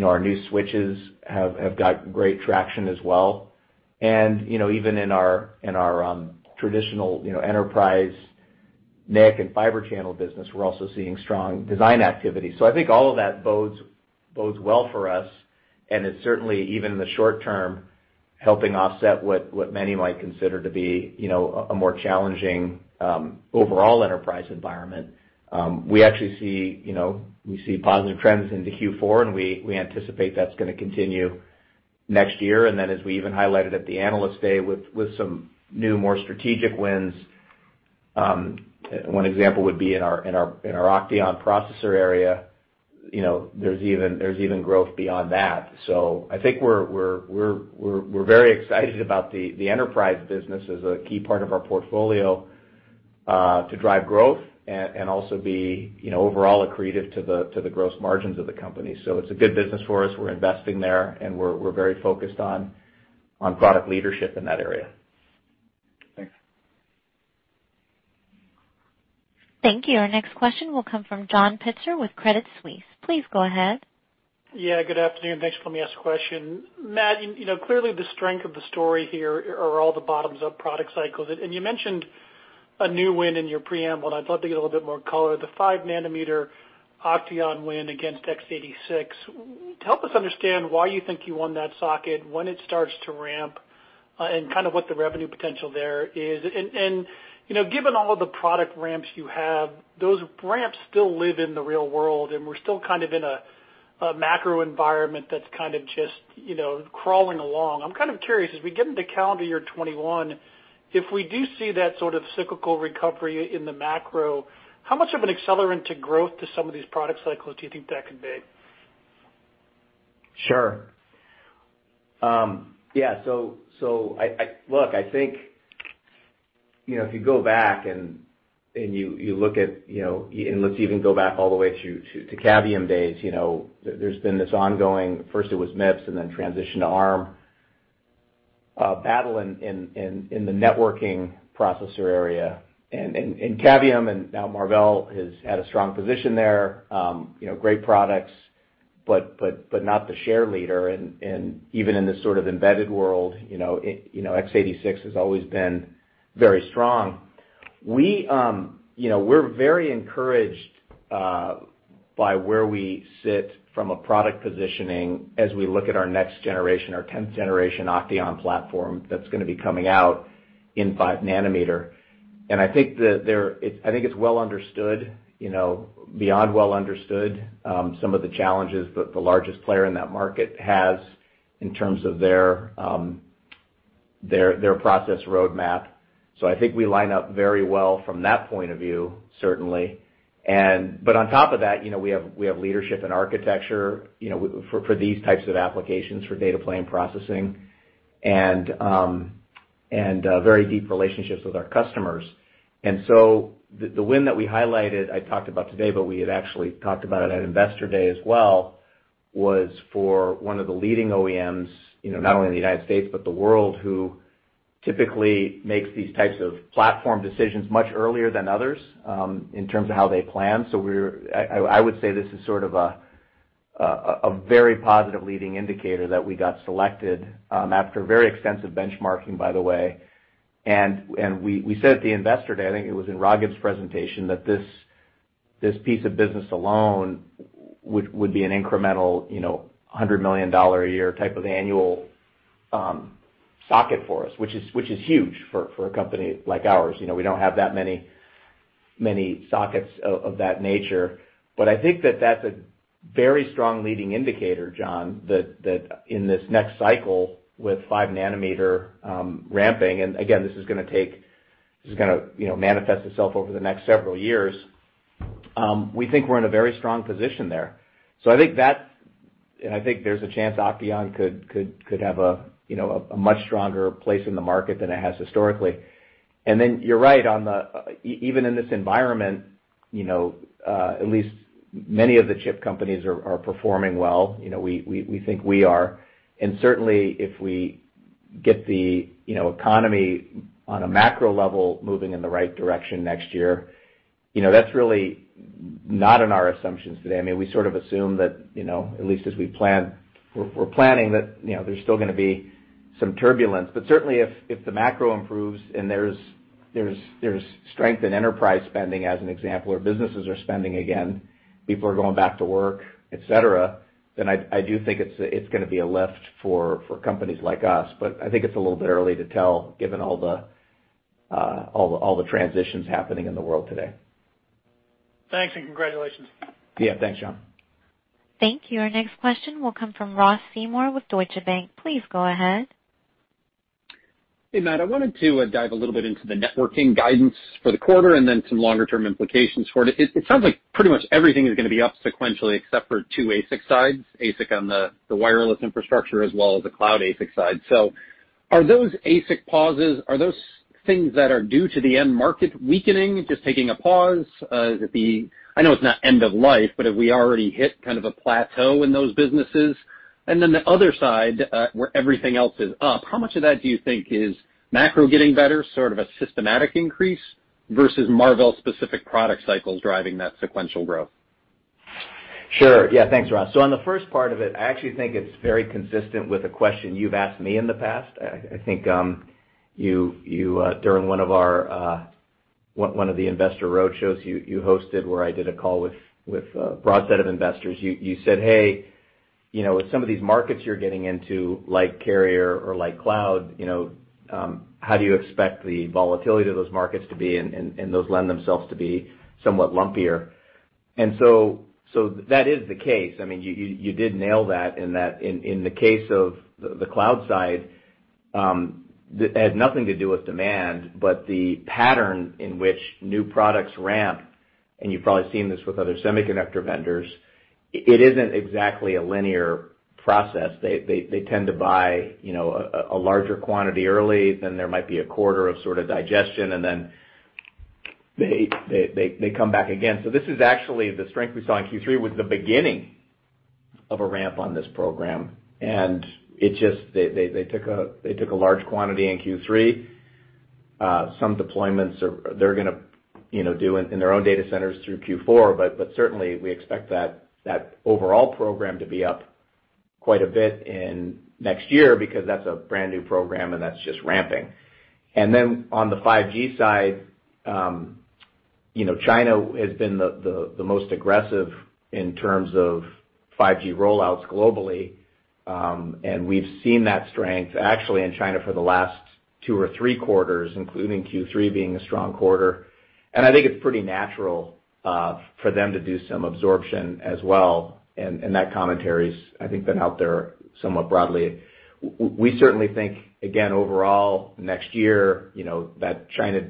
Our new switches have got great traction as well. Even in our traditional enterprise NIC and Fibre Channel business, we're also seeing strong design activity. I think all of that bodes well for us, and it's certainly, even in the short term, helping offset what many might consider to be a more challenging overall enterprise environment. We actually see positive trends into Q4, and we anticipate that's going to continue next year. Then as we even highlighted at the Analyst Day with some new, more strategic wins. One example would be in our OCTEON processor area. There's even growth beyond that. I think we're very excited about the enterprise business as a key part of our portfolio to drive growth and also be overall accretive to the gross margins of the company. It's a good business for us. We're investing there, and we're very focused on product leadership in that area. Thanks. Thank you. Our next question will come from John Pitzer with Credit Suisse. Please go ahead. Yeah, good afternoon. Thanks for letting me ask a question. Matt, clearly the strength of the story here are all the bottoms-up product cycles. You mentioned a new win in your preamble, and I'd love to get a little bit more color. The 5-nm OCTEON win against x86. Help us understand why you think you won that socket, when it starts to ramp, and kind of what the revenue potential there is. Given all of the product ramps you have, those ramps still live in the real world, and we're still kind of in a macro environment that's kind of just crawling along. I'm kind of curious, as we get into calendar year 2021, if we do see that sort of cyclical recovery in the macro, how much of an accelerant to growth to some of these product cycles do you think that could be? Sure. Yeah. Look, I think, if you go back and let's even go back all the way to Cavium days, there's been this ongoing, first it was MIPS and then transition to Arm, battle in the networking processor area. Cavium, and now Marvell, has had a strong position there. Great products, not the share leader. Even in this sort of embedded world, x86 has always been very strong. We're very encouraged by where we sit from a product positioning as we look at our next generation, our 10th generation OCTEON platform that's going to be coming out in 5 nm. I think it's well understood, beyond well understood, some of the challenges the largest player in that market has in terms of their process roadmap. I think we line up very well from that point of view, certainly. On top of that, we have leadership and architecture for these types of applications, for data plane processing, and very deep relationships with our customers. The win that we highlighted, I talked about today, but we had actually talked about it at Investor Day as well, was for one of the leading OEMs, not only in the U.S., but the world, who typically makes these types of platform decisions much earlier than others, in terms of how they plan. I would say this is sort of a very positive leading indicator that we got selected, after very extensive benchmarking, by the way. We said at the Investor Day, I think it was in Raghib's presentation, that this piece of business alone would be an incremental $100 million a year type of annual socket for us, which is huge for a company like ours. We don't have that many sockets of that nature. I think that's a very strong leading indicator, John, that in this next cycle, with 5 nm ramping, and again, this is going to manifest itself over the next several years, we think we're in a very strong position there. I think there's a chance OCTEON could have a much stronger place in the market than it has historically. You're right, even in this environment, at least many of the chip companies are performing well. We think we are. Certainly, if we get the economy on a macro level moving in the right direction next year, that's really not in our assumptions today. We sort of assume that, at least as we plan, we're planning that there's still going to be some turbulence. Certainly, if the macro improves and there's strength in enterprise spending, as an example, where businesses are spending again, people are going back to work, et cetera, then I do think it's going to be a lift for companies like us. I think it's a little bit early to tell, given all the transitions happening in the world today. Thanks, and congratulations. Yeah. Thanks, John. Thank you. Our next question will come from Ross Seymore with Deutsche Bank. Please go ahead. Hey, Matt. I wanted to dive a little bit into the networking guidance for the quarter and then some longer-term implications for it. It sounds like pretty much everything is going to be up sequentially except for two ASIC sides, ASIC on the wireless infrastructure as well as the cloud ASIC side. Are those ASIC pauses, are those things that are due to the end market weakening, just taking a pause? I know it's not end of life, have we already hit kind of a plateau in those businesses? The other side, where everything else is up, how much of that do you think is macro getting better, sort of a systematic increase, versus Marvell-specific product cycles driving that sequential growth? Sure. Yeah. Thanks, Ross. On the first part of it, I actually think it's very consistent with a question you've asked me in the past. I think during one of the investor roadshows you hosted where I did a call with a broad set of investors, you said, "Hey, with some of these markets you're getting into, like carrier or like cloud, how do you expect the volatility of those markets to be?" Those lend themselves to be somewhat lumpier. That is the case. You did nail that in that in the case of the cloud side, it had nothing to do with demand, but the pattern in which new products ramp, and you've probably seen this with other semiconductor vendors, it isn't exactly a linear process. They tend to buy a larger quantity early, then there might be a quarter of sort of digestion, and then they come back again. This is actually the strength we saw in Q3 was the beginning of a ramp on this program, and they took a large quantity in Q3. Some deployments they're going to do in their own data centers through Q4, but certainly, we expect that overall program to be up quite a bit in next year because that's a brand-new program and that's just ramping. On the 5G side, China has been the most aggressive in terms of 5G rollouts globally. And we've seen that strength actually in China for the last two or three quarters, including Q3 being a strong quarter. I think it's pretty natural for them to do some absorption as well, and that commentary's, I think, been out there somewhat broadly. We certainly think, again, overall next year, that China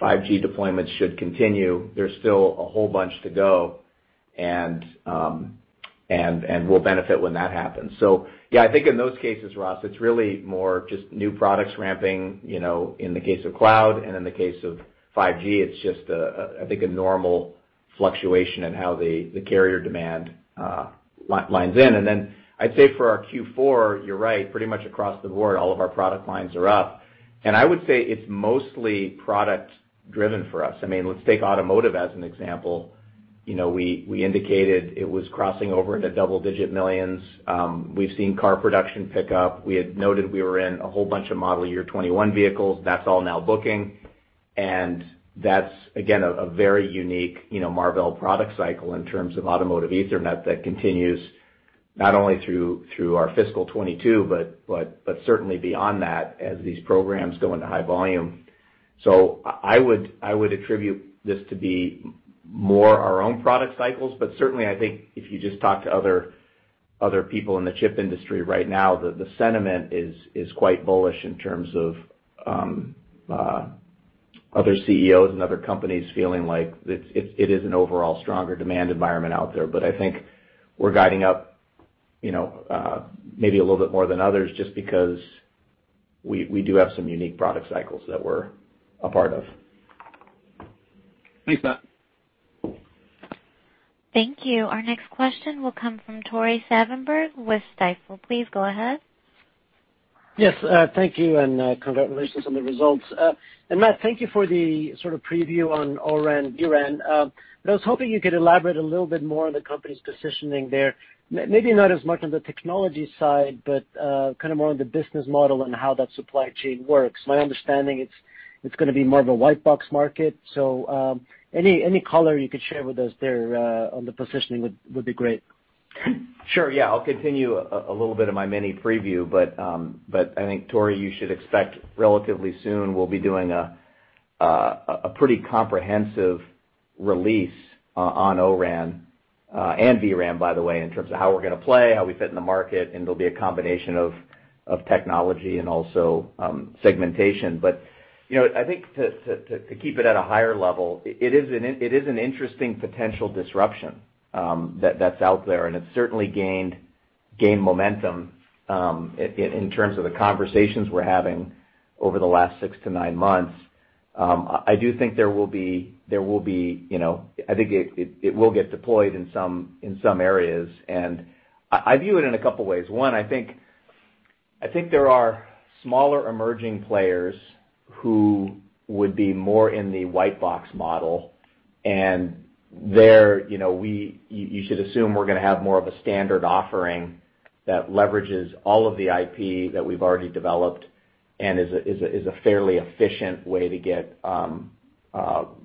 5G deployment should continue. There's still a whole bunch to go, and we'll benefit when that happens. Yeah, I think in those cases, Ross, it's really more just new products ramping, in the case of cloud and in the case of 5G, it's just a, I think, a normal fluctuation in how the carrier demand lines in. I'd say for our Q4, you're right, pretty much across the board, all of our product lines are up. I would say it's mostly product driven for us. Let's take automotive as an example. We indicated it was crossing over into double digit millions. We've seen car production pick up. We had noted we were in a whole bunch of model year 21 vehicles. That's all now booking. That's, again, a very unique Marvell product cycle in terms of automotive Ethernet that continues not only through our fiscal 2022, but certainly beyond that as these programs go into high volume. I would attribute this to be more our own product cycles. Certainly, I think if you just talk to other people in the chip industry right now, the sentiment is quite bullish in terms of other CEOs and other companies feeling like it is an overall stronger demand environment out there. I think we're guiding up maybe a little bit more than others just because we do have some unique product cycles that we're a part of. Thanks, Matt. Thank you. Our next question will come from Tore Svanberg with Stifel. Please go ahead. Yes. Thank you. Congratulations on the results. Matt, thank you for the sort of preview on O-RAN, vRAN. I was hoping you could elaborate a little bit more on the company's positioning there. Maybe not as much on the technology side, but kind of more on the business model and how that supply chain works. My understanding, it's going to be more of a white box market. Any color you could share with us there on the positioning would be great. Sure. Yeah. I'll continue a little bit of my mini preview, but I think, Tore, you should expect relatively soon we'll be doing a pretty comprehensive release on O-RAN, and vRAN, by the way, in terms of how we're going to play, how we fit in the market, and there'll be a combination of technology and also segmentation. I think to keep it at a higher level, it is an interesting potential disruption that's out there, and it's certainly gained momentum in terms of the conversations we're having over the last six to nine months. I do think it will get deployed in some areas, and I view it in a couple ways. One, I think there are smaller emerging players who would be more in the white box model. There, you should assume we're going to have more of a standard offering that leverages all of the IP that we've already developed and is a fairly efficient way to get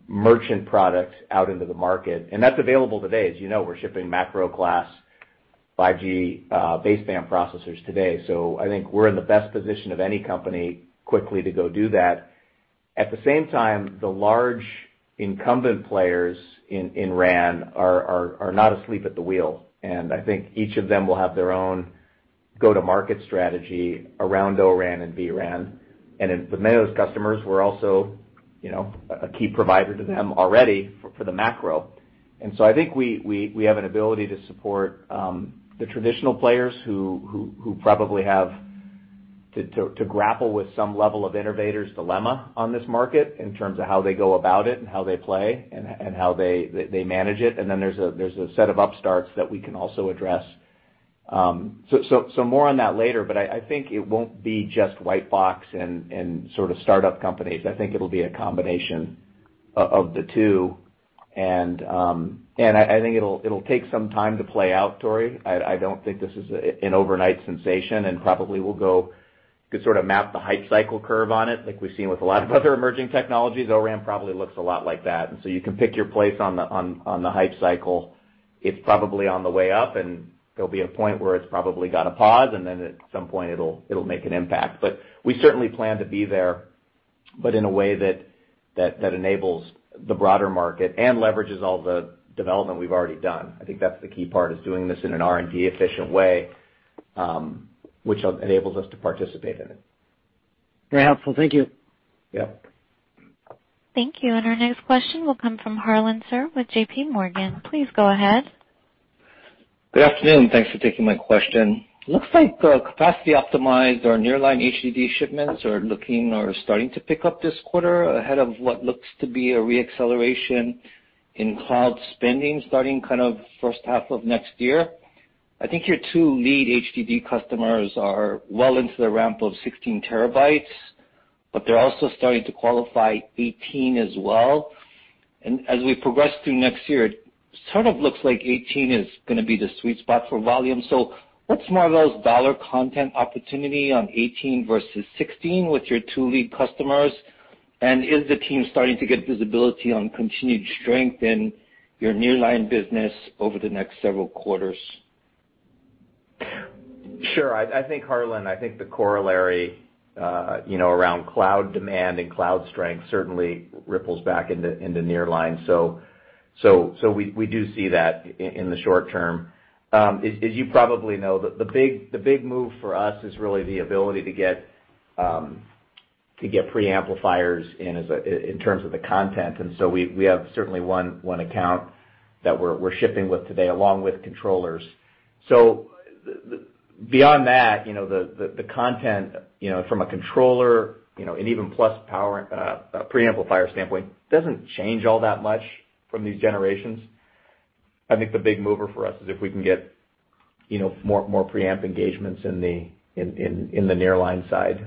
merchant product out into the market. That's available today. As you know, we're shipping macro class 5G baseband processors today. I think we're in the best position of any company quickly to go do that. At the same time, the large incumbent players in RAN are not asleep at the wheel. I think each of them will have their own go-to-market strategy around O-RAN and vRAN. For many of those customers, we're also a key provider to them already for the macro. I think we have an ability to support the traditional players who probably have to grapple with some level of innovator's dilemma on this market in terms of how they go about it and how they play and how they manage it. Then there's a set of upstarts that we can also address. More on that later, but I think it won't be just white box and sort of startup companies. I think it'll be a combination of the two. I think it'll take some time to play out, Tore. I don't think this is an overnight sensation and probably will go you could sort of map the hype cycle curve on it like we've seen with a lot of other emerging technologies. O-RAN probably looks a lot like that. You can pick your place on the hype cycle. It's probably on the way up, and there'll be a point where it's probably got to pause, and then at some point it'll make an impact. We certainly plan to be there, but in a way that enables the broader market and leverages all the development we've already done. I think that's the key part, is doing this in an R&D efficient way, which enables us to participate in it. Very helpful. Thank you. Yep. Thank you. Our next question will come from Harlan Sur with JPMorgan. Please go ahead. Good afternoon. Thanks for taking my question. Looks like capacity optimized or nearline HDD shipments are looking or starting to pick up this quarter ahead of what looks to be a re-acceleration in cloud spending starting kind of first half of next year. I think your two lead HDD customers are well into the ramp of 16 TB, but they're also starting to qualify 18 as well. As we progress through next year, it sort of looks like 18 is going to be the sweet spot for volume. What's Marvell's dollar content opportunity on 18 versus 16 with your two lead customers? Is the team starting to get visibility on continued strength in your nearline business over the next several quarters? Harlan, I think the corollary around cloud demand and cloud strength certainly ripples back into nearline. We do see that in the short term. As you probably know, the big move for us is really the ability to get pre-amplifiers in terms of the content. We have certainly one account that we're shipping with today, along with controllers. Beyond that, the content from a controller, and even plus power, pre-amplifier standpoint, doesn't change all that much from these generations. I think the big mover for us is if we can get more preamp engagements in the nearline side.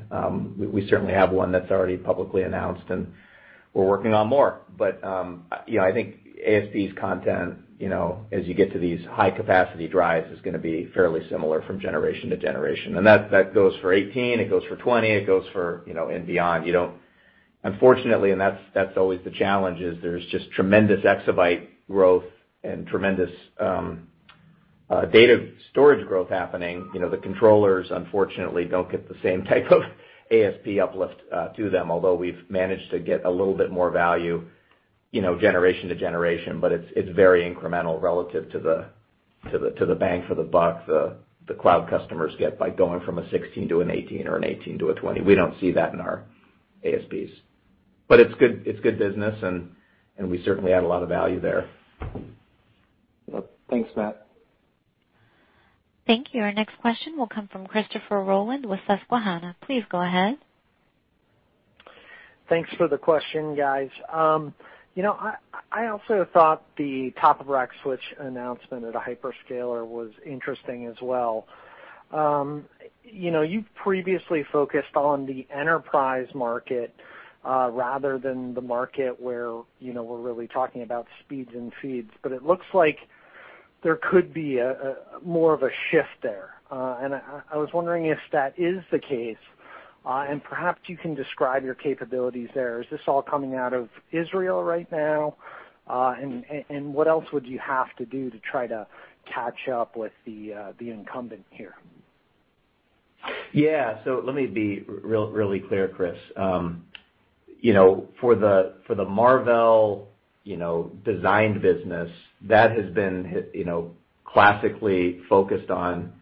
We certainly have one that's already publicly announced, and we're working on more. I think ASPs content, as you get to these high-capacity drives, is going to be fairly similar from generation to generation. That goes for 18, it goes for 20, it goes for and beyond. Unfortunately, and that's always the challenge, is there's just tremendous exabyte growth and tremendous data storage growth happening. The controllers, unfortunately, don't get the same type of ASP uplift to them, although we've managed to get a little bit more value generation to generation. It's very incremental relative to the bang for the buck the cloud customers get by going from a 16 to an 18 or an 18 to a 20. We don't see that in our ASPs. It's good business, and we certainly add a lot of value there. Well, thanks, Matt. Thank you. Our next question will come from Christopher Rolland with Susquehanna. Please go ahead. Thanks for the question, guys. I also thought the top-of-rack switch announcement at a hyperscaler was interesting as well. You previously focused on the enterprise market, rather than the market where we're really talking about speeds and feeds. It looks like there could be more of a shift there. I was wondering if that is the case, and perhaps you can describe your capabilities there. Is this all coming out of Israel right now? What else would you have to do to try to catch up with the incumbent here? Let me be really clear, Chris. For the Marvell designed business, that has been classically focused on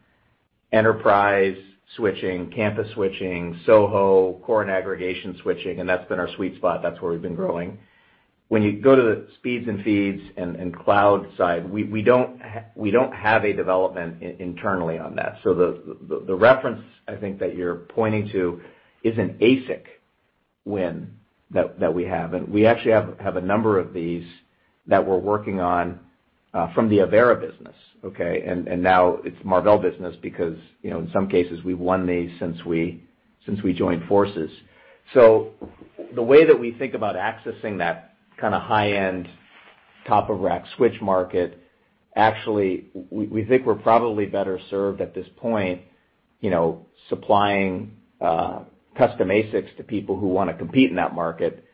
enterprise switching, campus switching, SOHO, core and aggregation switching, and that's been our sweet spot. That's where we've been growing. When you go to the speeds and feeds and cloud side, we don't have a development internally on that. The reference I think that you're pointing to is an ASIC win that we have. We actually have a number of these that we're working on from the Avera business, okay? Now it's Marvell business because, in some cases, we've won these since we joined forces. The way that we think about accessing that kind of high-end top-of-rack switch market, actually, we think we're probably better served at this point supplying custom ASICs to people who want to compete in that market.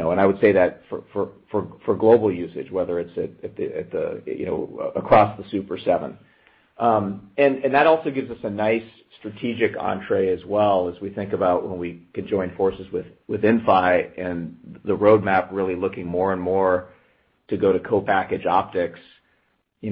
I would say that for global usage, whether it's across the Super Seven. That also gives us a nice strategic entrée as well as we think about when we could join forces with Inphi and the roadmap really looking more and more to go to co-package optics.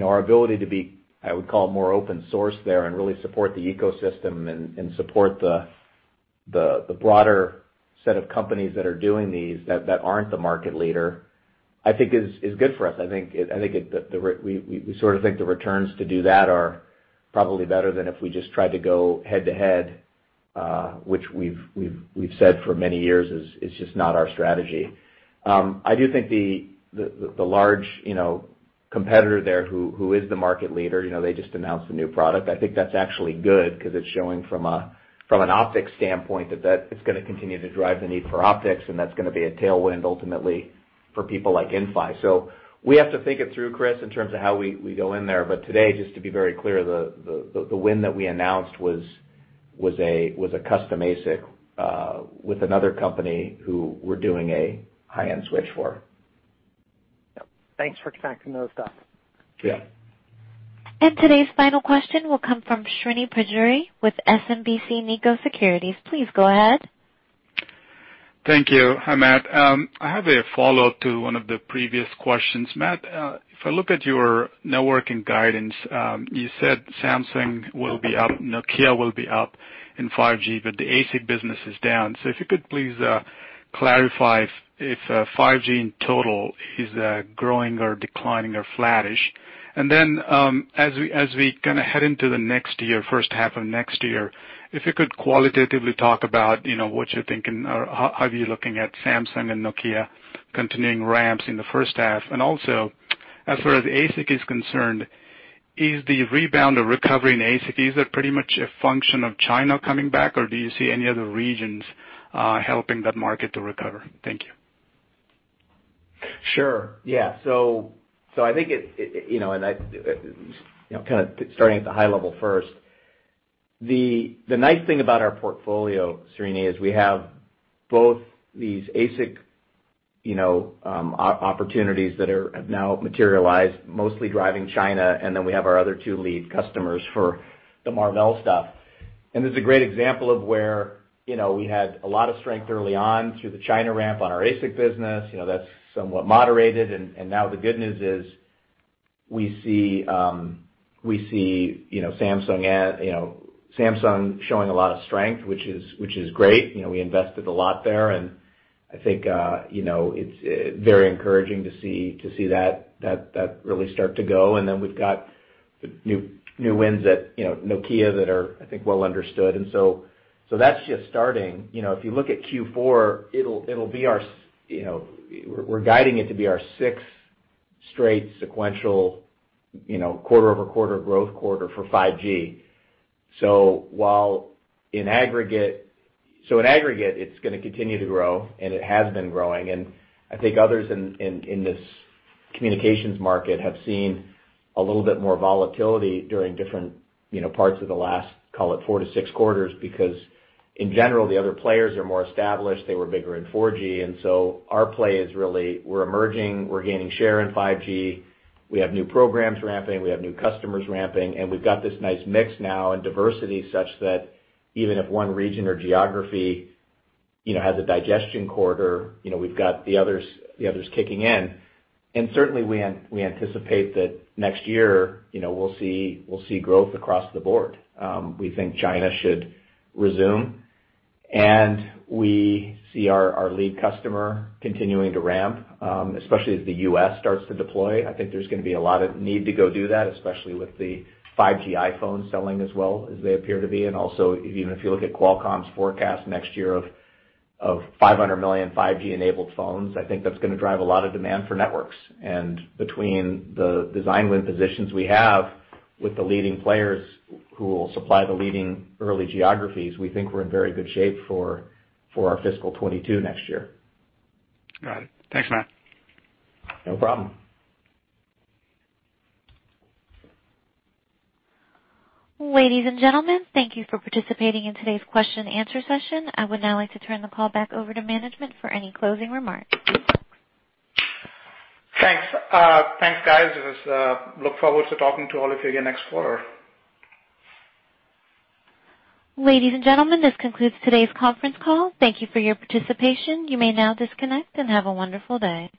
Our ability to be, I would call, more open source there and really support the ecosystem and support the broader set of companies that are doing these, that aren't the market leader, I think is good for us. We sort of think the returns to do that are probably better than if we just tried to go head-to-head, which we've said for many years is just not our strategy. I do think the large competitor there, who is the market leader, they just announced a new product. I think that's actually good because it's showing from an optics standpoint that it's going to continue to drive the need for optics, and that's going to be a tailwind ultimately for people like Inphi. We have to think it through, Chris, in terms of how we go in there. Today, just to be very clear, the win that we announced was a custom ASIC with another company who we're doing a high-end switch for. Yep. Thanks for connecting those dots. Yeah. Today's final question will come from Srini Pajjuri with SMBC Nikko Securities. Please go ahead. Thank you. Hi, Matt. I have a follow-up to one of the previous questions. Matt, if I look at your networking guidance, you said Samsung will be up, Nokia will be up in 5G, but the ASIC business is down. If you could please clarify if 5G in total is growing or declining or flattish. Then, as we head into the next year, first half of next year, if you could qualitatively talk about what you're thinking or how are you looking at Samsung and Nokia continuing ramps in the first half. Also, as far as ASIC is concerned, is the rebound or recovery in ASIC, is that pretty much a function of China coming back or do you see any other regions helping that market to recover? Thank you. Sure. Yeah. I think, kind of starting at the high level first, the nice thing about our portfolio, Srini, is we have both these ASIC opportunities that have now materialized, mostly driving China, and then we have our other two lead customers for the Marvell stuff. That's somewhat moderated, now the good news is we see Samsung showing a lot of strength, which is great. We invested a lot there, I think it's very encouraging to see that really start to go, then we've got the new wins at Nokia that are, I think, well understood. That's just starting. If you look at Q4, we're guiding it to be our sixth straight sequential quarter-over-quarter growth quarter for 5G. In aggregate, it's going to continue to grow, and it has been growing, and I think others in this communications market have seen a little bit more volatility during different parts of the last, call it, four to six quarters, because in general, the other players are more established. They were bigger in 4G, our play is really we're emerging, we're gaining share in 5G. We have new programs ramping, we have new customers ramping, and we've got this nice mix now and diversity such that even if one region or geography has a digestion quarter, we've got the others kicking in. Certainly, we anticipate that next year, we'll see growth across the board. We think China should resume, we see our lead customer continuing to ramp, especially as the U.S. starts to deploy. I think there's going to be a lot of need to go do that, especially with the 5G iPhone selling as well as they appear to be. Also, even if you look at Qualcomm's forecast next year of 500 million 5G-enabled phones, I think that's going to drive a lot of demand for networks. Between the design win positions we have with the leading players who will supply the leading early geographies, we think we're in very good shape for our fiscal 2022 next year. Got it. Thanks, Matt. No problem. Ladies and gentlemen, thank you for participating in today's question and answer session. I would now like to turn the call back over to management for any closing remarks. Thanks. Thanks, guys. Look forward to talking to all of you again next quarter. Ladies and gentlemen, this concludes today's conference call. Thank you for your participation. You may now disconnect, and have a wonderful day.